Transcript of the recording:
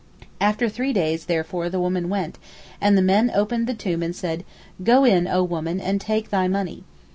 After three days therefore the woman went, and the men opened the tomb and said, "Go in O woman and take thy money."